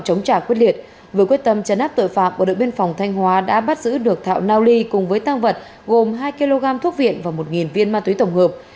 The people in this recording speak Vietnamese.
với quyết tâm chấn áp tội phạm bộ đội biên phòng thanh hóa đã bắt giữ được thạo nao ly cùng với tăng vật gồm hai kg thuốc việt và một viên ma túy tổng hợp